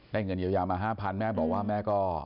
ได้เงินเยอะแย้วมา๕๐๐๐บาทแม่บอกว่าแม่ก็